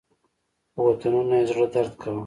په وطنونو یې زړه درد کاوه.